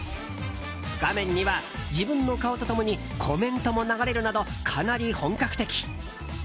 画面には自分の顔と共にコメントも流れるなどかなり本格的。